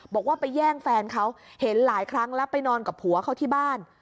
บอกว่าไปแย่งแฟนเขาเห็นหลายครั้งแล้วไปนอนกับผัวเขาที่บ้าน